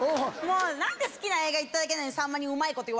何で好きな映画言っただけなのに。